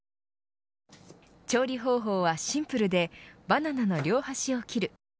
調理方法はシンプルでバナナの両端を切る。